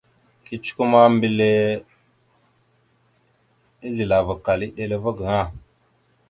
Kecəkwe ma, mbelle azləlavakal eɗela va gaŋa.